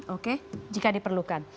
oke jika diperlukan